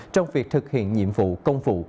trong việc thực hiện nhiệm vụ công vụ